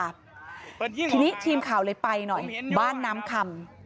ทีนี้ทีมข่าวเลยไปหน่อยบ้านน้ำคำ